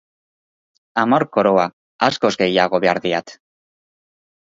Hamar koroa! Askoz gehiago behar diat!